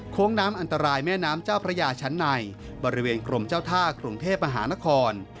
น้ำอันตรายแม่น้ำเจ้าพระยาชั้นในบริเวณกรมเจ้าท่ากรุงเทพมหานคร